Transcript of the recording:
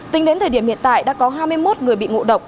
tính đến thời điểm hiện tại đã có hai mươi một người bị ngộ độc